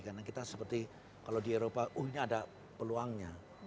karena kita seperti kalau di eropa uh ini ada peluangnya